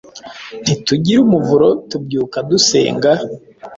Ntitugira umuvuroTubyuka dusenga,